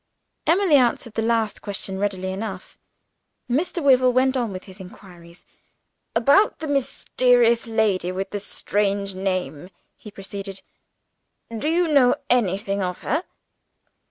Emily answered the last question readily enough. Mr. Wyvil went on with his inquiries. "About the mysterious lady, with the strange name," he proceeded "do you know anything of her?"